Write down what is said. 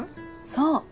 そう。